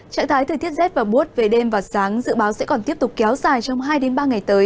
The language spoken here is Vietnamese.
trạng thái thời tiết rét và bút về đêm và sáng dự báo sẽ còn tiếp tục kéo dài trong hai ba ngày tới